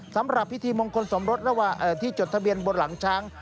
สำหรับพิธีมงคลสมรสระหว่างที่จดทะเบียนบนหลังช้าง